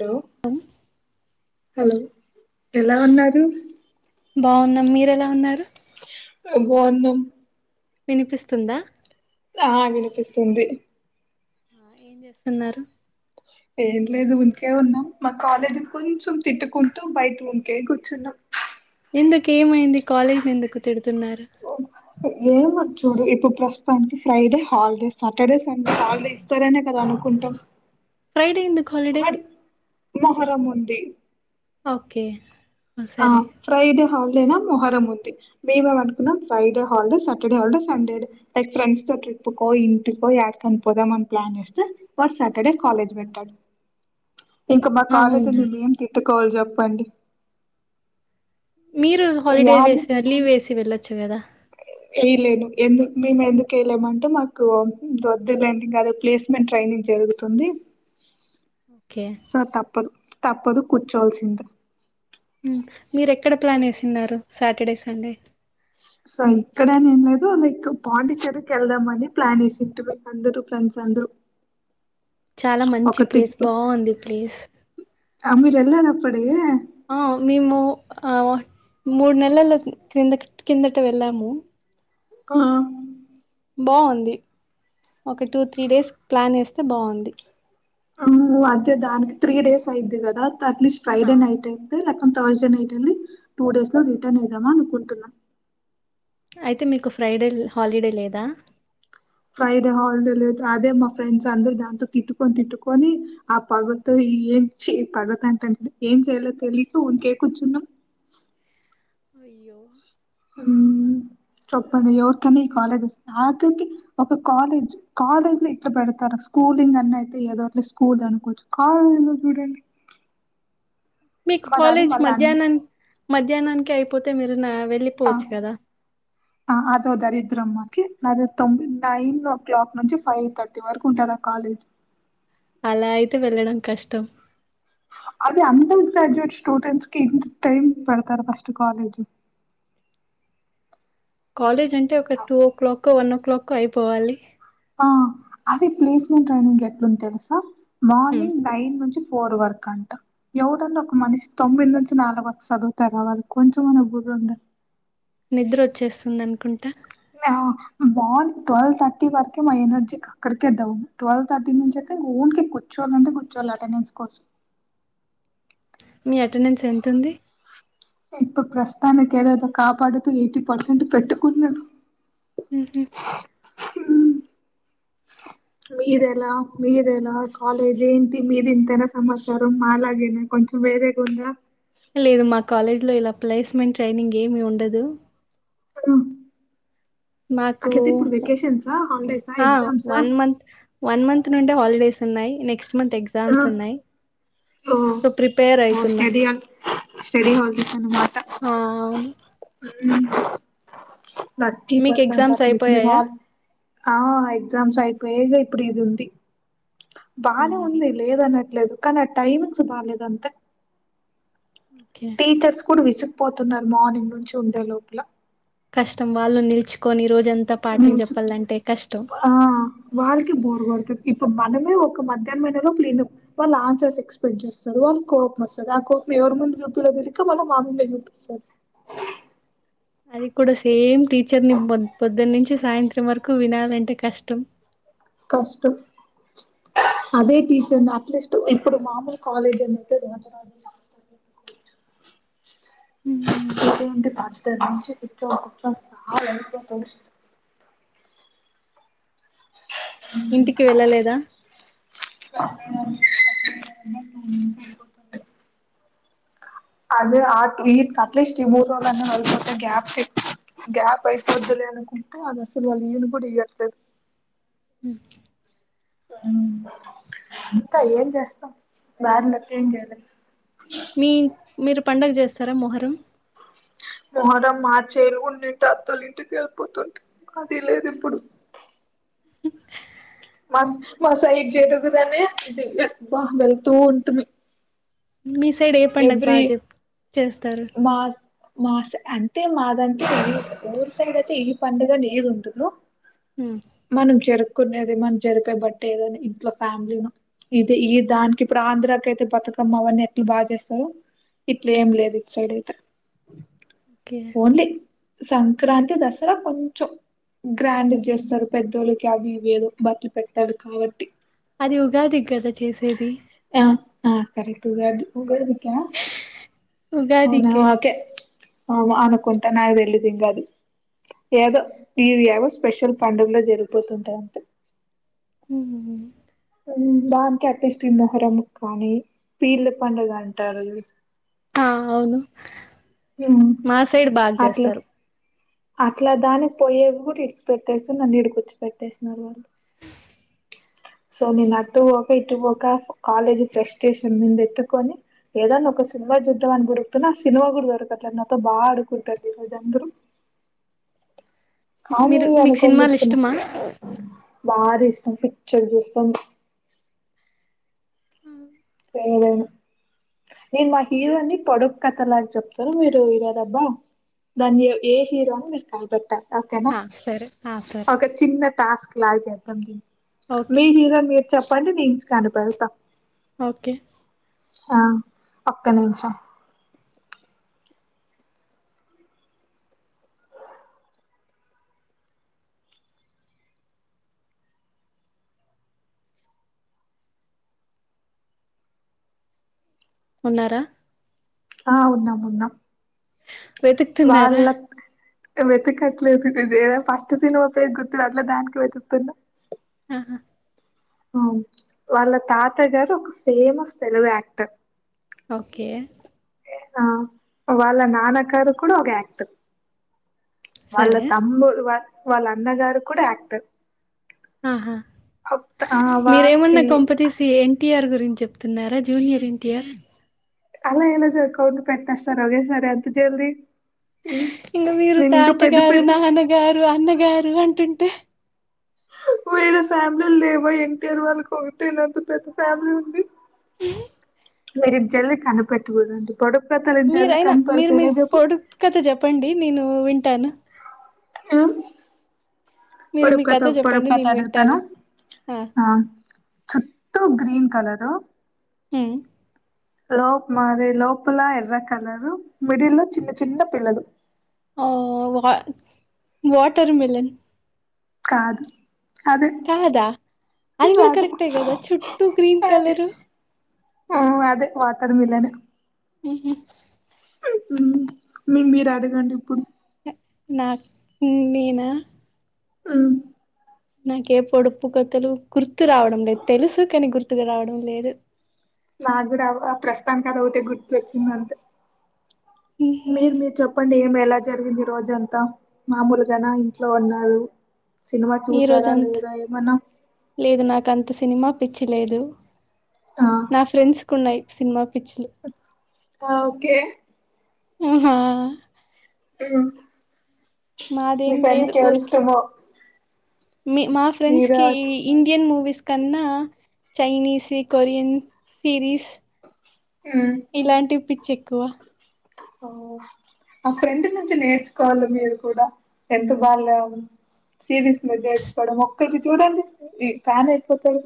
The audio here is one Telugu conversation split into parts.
హలో అం హలో ఎలా ఉన్నారు బాగున్నాం మీరెలా ఉన్నారు బావున్నాం వినిపిస్తుందా ఆ వినిపిస్తుంది ఏం చేస్తున్నారు ఏం లేదు ఊరికే ఉన్నాం మా కాలేజీ కొంచెం తిట్టుకుంటూ బయట ఊరికే కూర్చున్నాం ఎందుకు ఏమైంది కాలేజ్ ని ఎందుకు తిడుతున్నారు ఏమో చూడు ఇప్పుడు ప్రస్తుతానికి Friday holiday Saturday Sunday holiday ఇస్తారనే కదా అనుకుం టం ఫ్రైడే ఎందుకు హాలిడే మొహరం ఉంది ఓకే ఆ సరే ఫ్రైడే హా మొహరం ఉంది మేమ్ అనుకున్నాం Friday holiday Saturday holiday సండేడే like friends తో ట్రిపుకో ఇంటికో ఏడకని పోదామని ప్లాన్ చేస్తే వర్ సాటర్డే కాలేజ్ పెట్టాడు [inaudible] ఇంకా మా అవునా కాలేజీని మేం తిట్టుకోవాలి చెప్పండి మీరు హాలిడే ఇయాలు వేసి లీవ్ వేసి వెళ్లొచ్చు కదా వేయలేను ఎందు మేము ఎందుకు వేయలేమంటే మాకు వద్దలేంటికా అదే ప్లేస్మెంట్ ట్రైనింగ్ జరుగుతుంది అ సో తప్ప తప్పదు కూర్చోల్సిందే మీర ఎక్కడ ప్లాన్ వేసిన్నారు సాటర్డే సండే సో ఇక్కడేని ఏం లేదు లైక్ పాండిచ్చేరికి వెళ్దామ అని ప్లాన్ వేసిట్టు మీకు అందరు ఫ్రెండ్స్ అ అందురూ చాలా మంచి ప్లేస్ బాగుంది ప్లేస్ వెళ్లారప్పుడే ఆ మేము ఆ మూడు నెలల కింద కిందట వెళ్ళాము ఆ బాగుంది ఒక టూ త్రీ డేస్ ప్లాన్ వేస్తే బాగుంది అంతే దానికి త్రీ డేస్ అయిద్ది కదా అట్లీస్ట్ ఫ్రైడే నైట్ అయితే తర్స్ డే నైట్ వెళ్ళి టూ డేస్ లో రిటర్న్ వేద్దామని అనుకుంటున్నాను అయితే మీకు ఫ్రైడే హాలిడే లేదా ఫ్రైడే హాలిడే లేదు అదే మా ఫ్రెండ్స్ అందరు దాంతో తిటుకొని తిట్టుకొని ఆ పగతో ఏం చెయ్ పగతగా ఏం చేయాలో తెలియక ఊరికే కూర్చున్నాం [inaudible] అయ్యో ఉమ్ చెప్పండి ఎవరికన్నా ఈ కాలేజ్ వస్తుంది ఆఖరికి ఒక కాలేజ్ కాలేజ్ లో ఇట్లా పెడతారా స్కూలింగ్ అన్న అయితే ఏదోట్లే స్కూల్ అనుకోవచ్చు కాలేజీ లో చూడండి మీకు మాది అది కాలేజ్ మళ్ళీ అన్ మధ్యాహ్నానికి మధ్యాహ్నానికి అయిపోతు టా ఆదో దరిద్రముమా ఓకే నాది తొంది నైన్ ఓ క్లాక్ నుంచి ఫైవ్ థర్టీ వరకు ఉంటదా ఆ కాలేజ్ అలా అయితే వెళ్ళడం కష్టం అదే అండర్ గ్రాజ్యుయేట్ స్టూడెంట్స్ కి ఇంత టైమ్ పెడతారు ఫస్ట్ కాలేజీ కాలేజ్ అంటే ఒక టూ అస్ o'clock one o'clock అయిపోవాలి అదే ప్లేస్మెంట్ టైనింగ్ ఎట్లుంది తెలుసా హ్మ్, మార్నింగ్ నైన్ నుంచి ఫోర్ వర్ కంట ఎవడన్నా ఒక మనిషి తొమ్మిది నుంచి నాలుగు వక్క చదువుత రావాలి కొంచెం అన్నా బుర్ర ఉందా నిద్ర వచ్చేస్తుంది అనుకుంటే ఆ మార్నింగ్ ట్వెల్వ్ థర్టీ వరకే మా ఎనర్జీ అక్కడికేడవు ట్వెల్వ్ థర్టీ నుంచి అ ఊన్ కి కూర్చోవల్ల అంటే కూర్చోవాల్ల అటెండెన్స్ కోసం అ మీ అటెండెన్స్ ఎంతుంది ఇప్పుడు ప్రస్తుతానికి ఏదోదో కాపాడుతూ ఎయిటీ పర్సెంట్ పెట్టుకున్నాను మ్హూ. మీదేలా మీర ఎలా కాలేజ్ ఏంటి మీది ఇంతేనా సమాచారం మాలగేనా కొ వేరే గుడా లేదు మా కాలేజ్ లో ఇలా ప్లేస్మెంట్ ట్రైనింగ్ ఏమి ఉండదు పడ మాకు హాలిడేసా ఆ ఎగ్జామ్సా వన్ మంత్ వన్ మంత్ నుండే హాలిడేస్ ఉన్నాయి నెక్స్ట్ మంత్ ఆ ఎగ్జామ్స్ ఉన్నాయి ఓ సో ప్రిపేర్ ఓ అయితున్నా స్టడి హాల్ స్టడి హాలిడేస్ అన్నమాట ఆ అవును ఉమ్ వర్తి మీకు పర్సన్స్ ఎగ్జామ్స్ ది అయిపోయాయా మిలాల్ ఆ ఎగ్జామ్స్ అయిపోయయిగా ఇప్పుడు ఇది ఉంది బానే మ్మ్. ఉంది లేదన్నట్ లేదు కానీ ఆ టైమింగ్స్ బాలేదు అంతే ఓకే టీచర్స్ కూడా విసుక్పోతున్నారు మార్నింగ్ నుంచి ఉండే లోపల కష్టం వాళ్ళు నిల్చుకొని రోజంతా పాఠం నీచ్ చెప్పాలంటే కష్టం ఆ వాల్కి బోర్ గొడుతాద్ ఇప్పుడు మనమే ఒక మధ్యాహ్నమైన లోపులిం వాళ్ళు ఆన్సర్స్ ఎక్స్పెక్ట్ చేస్తారు వాళ్ళు కోపం వస్తారు ఆ కోప్ ఎవరి ముందు చూపియ్యాలో తెలీక మల్ల మామిందే చూపిస్తారు అది కూడా సేమ్ టీచర్ ని బోద్ పొద్దునుంచి చి సాయంత్రం వరకు వినాలంటే కష్టం కష్టం అదే టీచర్ని అట్లీస్ట్ ఇప్పుడు మామూలు కాలేజ్ అన్ని [unintelligible] మ్మ్. [unintelligible] పద్దున్నుంచి కూర్చొని కూర్చొని సాల్ అయిపోతది ఇంటికి వెళ్ళలేదా [unintelligible] అది ఆ ఇట్ కట్లీస్ట్ ఈ మూడు రోజులన్న [unintelligible] గ్యాప్ గ్యాప్ అయిపోదులేఅన్కుంటు అది ఆసలు వాళ్ళ ఈయన కూడా ఇయ్యారూ తెలుస్ ఉమ్ ఉమ్ అంతా ఏం చేస్తాం దారిలేక్క ఏం చేయలేం మీ మీరు పడుగ చేస్తారా మొహరం మా చెల్లి ఉండిటే అతోల్ల ఇంటికి వెళ్ళిపోతుంటి అది లేదు ఇప్పుడు మా మా సైడ్ జరుగుదనే ఇది బాగా వెళ్తూ ఉంటుమి మీ సైడ్ ఏ పండగ ఎవ్రీ బాగా చె చేస్తారు మాస్ మాస్ అంటే మాదంటే ఏ ఊరు సైడ్ అయితే ఈ పండుగ లేది ఉండదు మ్మ్. మనం జరుపుకునేది మనం జరిపే బట్టి ఏదోని ఇంట్లో ఫ్యామిలీ ఇది ఈ దానికి ఇప్పుడు ఆంధ్రాకయితే బతుకమ్మ అవన్నీ ఎట్లా బాగా చేస్త రు ఇట్ల ఏమి లేదు ఇట్ సైడ్ అయితే ఓకే ఓన్లీ సంక్రాంతి దసరా కొంచం గ్రాండ్ చేస్తారు పెద్దోళ్ళకి అవివీ ఏదో బట్లు పెడ్తారు కాబట్టి అది ఉగాది కదా చేసేది ఆ ఆ కరెక్ట్ ఉగాది ఉగాది [unintelligible] అవునా ఉగాదికే ఓకే అవును అనకుంటా నాది తెల్వదిగా అది ఏదో ఈ ఇవి ఏవో స్పెషల్ పండుగలో జరిగిపోతుంటాయి అంతే ఉమ్ హు ఉమ్ దానికి అట్లీస్ట్ మొహరం కానీ పీర్ల పండుగ అంటారు ఆ అవును మా సైడ్ బాగ అట్లా చేస్తారు అట్లా దానికి పోయేకి కూడా ఇడిచిపెట్టేసి నన్నిడ కూర్చు పెెట్టేసన్నారు వాళ్ళు సో నేను అటు పోక ఇటు పోక కాలేజీ ఫ్రస్ట్రేషన్ మీద ఎత్తుకొని ఏదన్నా ఒక సినిమా చూదాం అని బుడుగుతున్నా ఆ సినిమా కూడా దొరకట్లేదు నాతో బాగా అడుకుంటుది ఈ రోజు అందరూ కానీ మీరు మీకు అనుకోనీ సినిమాలు కూర్చున్న ఇష్టమా బా తీస్ ఉ పిక్చర్ చూస్తాం లేవేమో నేను మా హీరో ని పొడు కా లాగ చెప్తార మీరు ఇదేదబ్బా దాన్ని ఏ హీరో అని మీరు కనిపెట్టా ఓకేనా ఆ, సరే ఆ సరే ఒక చిన్న టాస్క్ లా చేద్దాం దీన్నీ ఓకే మీ హీరో మీరు చెప్పండి నేను కనిపెడతా ఓకే ఆ ఒక్క నిమిషం ఉన్నారా ఆ ఉన్నాం ఉన్నాం వెతుకుతున్నారా వాళ్ళ వెతకట్లేదు ఇది ఏదో ఫస్ట్ సినిమా పేరు గుర్తుకు రావట్లే దానికి వెతుకుతున్నా ఆహా ఆ వాళ్ళ తాత గారు ఒక ఫేమస్ తెలుగు యాక్టర్ ఓకే ఆ వాళ్ళ నాన్నగారు కూడా ఒక యాక్టర్ వాళ్ళ సరే. తమ్ముడు వాళ్ళ అన్నగారు కూడా యాక్టర్ ఆహా ఆ వా ఛీ మీరేమన్న కొంపతీసి ఎన్టీఆర్ గురి రించి చెప్తున్నారా జూనియర్ ఎటీఆర్ అలా ఎలా చే కౌంట్ పెట్టేస్తారు ఒకే సారి అంత జల్ది ఇంగా మీరు తాత గారు పెద్ద నాన్నగారు అన్నగారు అంటుంటే వేరే ఫ్యామిలీలు లేవా ఎన్టీఆర్ వాళ్ళకి ఒకటేనా అంత పెద్ద ఫ్యామిలీ ఉంది మీరు జల్ది కనీపేట్టకూడదండి మీరు అయినా మీరు మీ పొడుపు కథ చెప్పండి నేను వింటాను ఆ మీరు మీ పొడుపు కథ పొడుపు జెప్పండి కథ నేను అడుగుతాను వింటాను. ఆ చుట్టూ గ్రీన్ కలర్ ఉ లోప్ మాది లోపలా ఎర్ర కలర్ మిడిల్ లో చిన్న చిన్న పిల్లలు అ వా వాటర్ మిలన్ కాదు అదే కాదా అది కూడా అదే కరెక్ట్ కదా చుట్టూ గ్రీన్ కలర్ ఉ అదే వాటర్ మిలన్ ఉహు ఉ మీ మీరు అడగండి ఇప్పుడు నాకు నేనా ఉ నాకే ఏ పొడుపు కథలు గుర్తు రావడం లేదు తెలుసు కానీ గుర్తుకు రావడం లేదు నాకు కూడా ఆ ప్రస్తుతానికి అది ఒకటే గుర్తుచ్చింది అంతే ఉహు. మీరు మీరు చెప్పండి ఏ మ ఎలా జరిగింది ఈ రోజు అంతా మామూలుగాన ఇంట్లో ఉన్నారు సినిమా ఈ రోజ చూసారా అంత లేదా ఏమన్నా లేదు నాకు అంత సినిమా పిచ్చి లేదు ఆ నా ఫ్రెండ్స్ కు ఉన్నాయి సినిమా పిచ్చిలు ఆ ఒకే ఆహా మీ మాదేం ఫ్రెండ్ లేదు కి ఎవరు ఊరికి ఇష్టమో మా ఫ్రెండ్స్ హీరో కి ఇండియన్ మూవీస్ కన్నా చైనీస్ వి కొరియన్ సిరీస్ ఉమ్ ఇలాంటివి పిచ్చి కువ ఓ ఆ ఫ్రెండ్ నుంచి నేర్చుకోవాలి మీరు కూడ [unintelligible] సిరీస్ మీర్ నేర్చుకోవడం ఒక్కటి చూడండి ఈ ఫ్యాన్ అయిపోతారు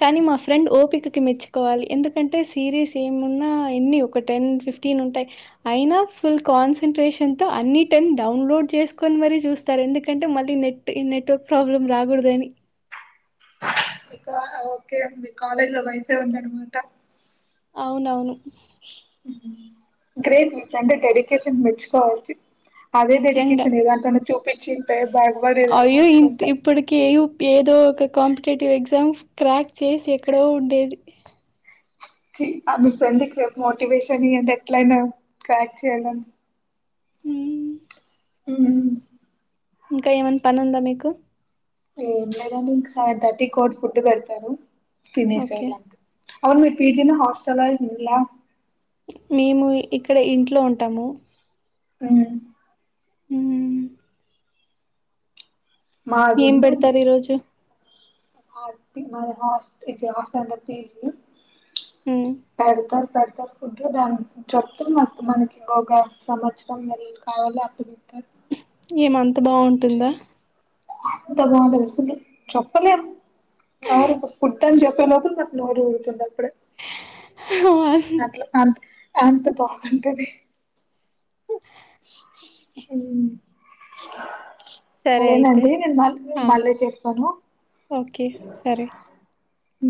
కానీ మా ఫ్రెండ్ ఓపికకి మెచ్చుకోవాలి ఎందుకంటే సిరీస్ ఏమున్నా ఎన్ని ఒక టెన్ ఫి ఫిఫ్టీన్ ఉంటాయి అయినా ఫుల్ కాన్సంట్రేషన్తో అన్ని టెన్ డౌన్లోడ్ చేసుకొని మరీ చూస్ ఎందుకంటే మళ్ళీ నెట్ ఈ నెట్ ప్రాబ్లం రాగూడదని ఆ ఓకే మీ కాలేజ్ లో వైన్సే ఉందనిమాట అవునవును. [unintelligible] అంటే డెడికేషన్ మెచ్చుకోవాలి. అదే నిజంగా. డెడికేషన్ ఏదాంటన్న చూపించింటే, బాగుపడేదాన్ని అయ్యో ఇంత్ అనుకుంటా ఇప్పటికి [unintelligible] ఏదో ఒక కాంపిటేటివ్ ఎగ్జామ్ క్రాక్ చేసి ఎక్కడో ఉండేది. ఆ మీ ఫ్రెండ్ కి మోటివేషన్ ఇయ్యండి. ఎట్లాయిన క్రాక్ చేయాల ఉ ఉ ఇంకా ఏమన్నా పని ఉందా మీకు. ఏం లేదండి, ఇంక సెవెన్ థర్టీ [unintelligible] ఫుడ్ పెడతారు ఓకే. తినేసేయాలి అంతె. అవును మీది పీజీ నా హాస్టల ఇళ్ల మేము ఇక్కడ ఇంట్లో ఉంటాము ఉ ఊ మాది ఏం ఉందండి పెడతారు ఈ రోజు [inaudible] హ్మ్. పెడతారు ఫుడ్ దాని చెప్తు మనకి ఇంకొక సంవత్సరం [unintelligible] కావలో అప్పుడు. [unintelligible] ఎం అంత బాగుంటుంద [unintelligible] అస్సలు చెప్పలేం అ [unintelligible] చెప్పేలోపు నాకు నోరూరుతుంది అప్పుడె [unintelligible] అంత బాగుంటది [unintelligible] సరే అయితే సరేనండి నేను మళ్ ఆ మళ్ళీ చేస్తాను. ఓకే సరే ఉ